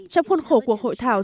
trong khuôn khổ cuộc hội thảo